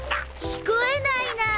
聞こえないなー？